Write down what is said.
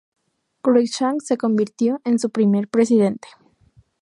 Cruickshank se convirtió en su primer presidente.